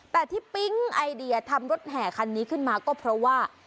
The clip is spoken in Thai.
แต่ที่ปิ๊งไอเดียทำรถแห่คันนี้ขึ้นมาก็เพราะว่า